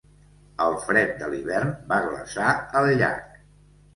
El fred de l'hivern va glaçar el llac.